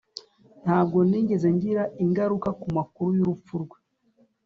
ntabwo nigeze ngira ingaruka ku makuru y'urupfu rwe.